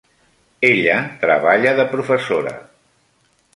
Ella treballa de professora.